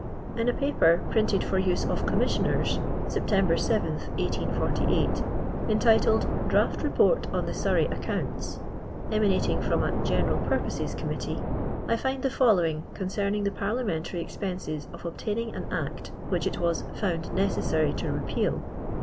In a paper " printed for use of Commissioners" (Sept. 7, 1848), entitled " Draft Report on the Surrey Accounts," emanating from a " Ckneral Purposes' Committee," I find the following, con cerning the parliamentary expenses of obtaining nn Act which it was " found necessary to repeal."